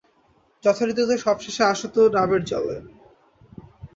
যথাঋতুতে সব-শেষে আসত ডাবের জল।